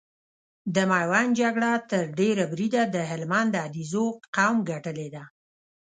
د ميوند جګړه تر ډېره بريده د هلمند د عليزو قوم ګټلې ده۔